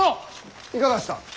いかがした。